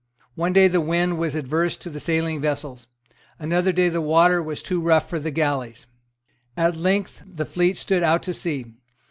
One day the wind was adverse to the sailing vessels. Another day the water was too rough for the galleys. At length the fleet stood out to sea.